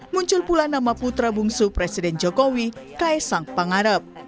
muncul pula nama putra bungsu presiden jokowi kaisang pangarep